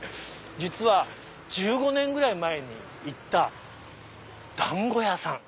実は１５年ぐらい前に行った団子屋さん。